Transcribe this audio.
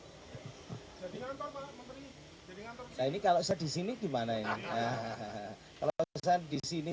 hai jadi ngantor pak memperi jadi ngantor ini kalau saya disini gimana ya kalau pesan disini